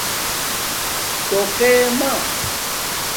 ٹݸقے مݳ